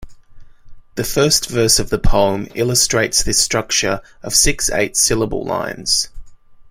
The first verse of the poem illustrates this structure of six eight-syllable lines.